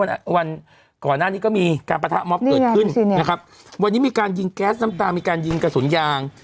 วันก่อนหน้านี้ก็มีการปะทะม็อบเกิดขึ้นนะครับวันนี้มีการยิงแก๊สน้ำตามีการยิงกระสุนยาง